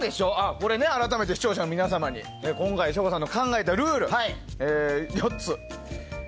これ、改めて視聴者の皆様に今回省吾さんの考えたルール４つ。